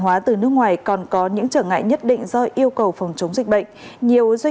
hóa từ nước ngoài còn có những trở ngại nhất định do yêu cầu phòng chống dịch bệnh nhiều doanh